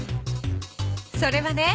それはね